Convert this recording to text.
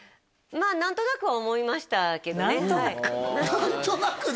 まあ何となくは思いましたけどね何となく？